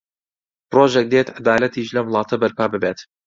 ڕۆژێک دێت عەدالەتیش لەم وڵاتە بەرپا ببێت.